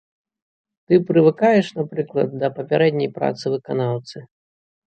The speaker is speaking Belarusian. Ты прывыкаеш, напрыклад, да папярэдняй працы выканаўцы.